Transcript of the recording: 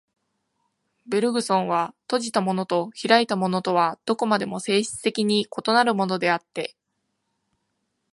ベルグソンは、閉じたものと開いたものとはどこまでも性質的に異なるものであって、